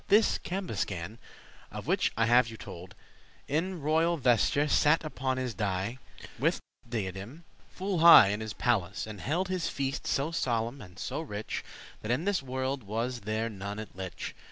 This Cambuscan, of which I have you told, In royal vesture, sat upon his dais, With diadem, full high in his palace; And held his feast so solemn and so rich, That in this worlde was there none it lich.